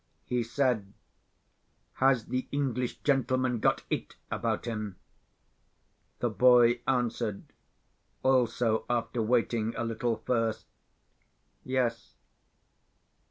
He said: "Has the English gentleman got It about him?" The boy answered—also, after waiting a little first—"Yes."